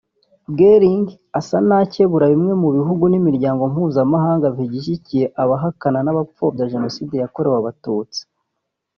Gelling asa n’akebura bimwe mu bihugu n’imiryango mpuzamahanga bigishyigikiye abahakana n’abapfobya Jenoside yakorewe Abatutsi